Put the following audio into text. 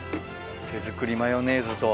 手作りマヨネーズと。